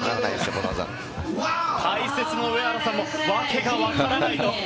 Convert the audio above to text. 解説の上原さんもわけがわからないと。